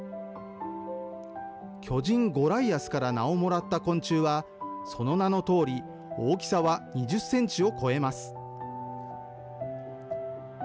巨人ゴライアスから名をもらった昆虫は、その名のとおり大きさは２０センチを超えます。